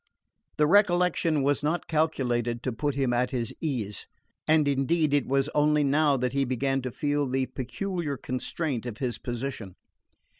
The recollection was not calculated to put him at his ease; and indeed it was only now that he began to feel the peculiar constraint of his position.